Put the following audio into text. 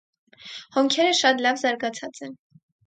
Հոնքերը շատ լավ զարգացած են։